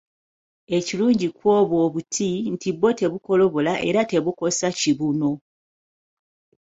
Ekilungi ku obwo obuti nti bwo tebukolobola era tebukosa kibuno.